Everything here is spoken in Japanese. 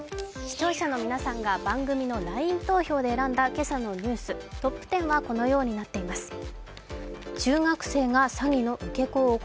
視聴者の皆さんがＬＩＮＥで投票した今朝のニュース、トップ１０はこのようになっています。